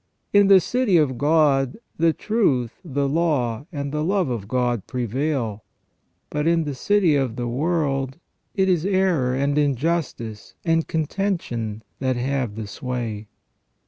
In the city of God, the truth, the law, and the love of God prevail ; but in the city of the world it is error and injustice and contention that have the sway.